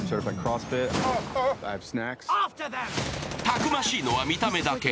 たくましいのは見た目だけ。